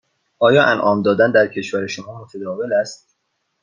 آیا انعام دادن در کشور شما متداول است؟